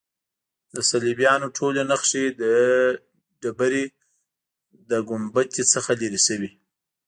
د صلیبیانو ټولې نښې د ډبرې له ګنبد څخه لیرې شوې.